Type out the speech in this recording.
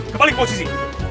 kembali ke posisi